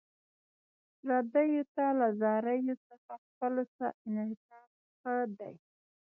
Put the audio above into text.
پردیو ته له زاریو څخه خپلو ته انعطاف ښه دی.